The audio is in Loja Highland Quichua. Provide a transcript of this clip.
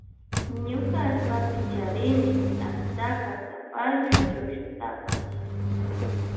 Ñuka allpapi charini ashtaka sapallu chukllutapash.